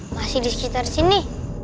masih di sekitar sini